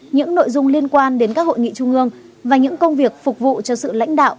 những nội dung liên quan đến các hội nghị trung ương và những công việc phục vụ cho sự lãnh đạo